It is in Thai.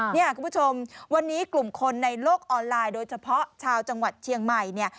เนี่ยคุณผู้ชมวันนี้กลุ่มคนในโลกออนไลน์โดยเฉพาะชาวจังหวัดเชียงใหม่เนี่ย